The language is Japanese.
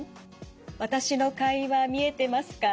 私の会話見えてますか？